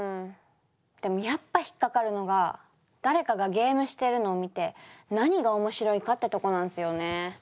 でもやっぱ引っ掛かるのが誰かがゲームしてるのを見て何が面白いかってとこなんすよね。